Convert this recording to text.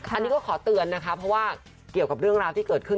อันนี้ก็ขอเตือนนะคะเพราะว่าเกี่ยวกับเรื่องราวที่เกิดขึ้น